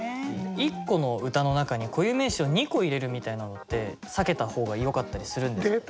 １個の歌の中に固有名詞を２個入れるみたいなのって避けた方がよかったりするんですか？